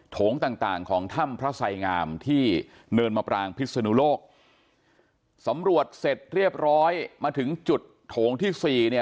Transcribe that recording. โถงต่างต่างของถ้ำพระไสงามที่เนินมะปรางพิศนุโลกสำรวจเสร็จเรียบร้อยมาถึงจุดโถงที่สี่เนี่ย